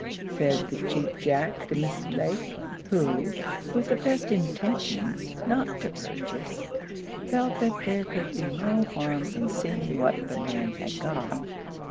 said the Cheap Jack to Mrs. Lake, who, with the best intentions not to purchase, felt that there could be no harm in seeing what the man had got.